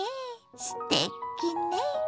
すてきね！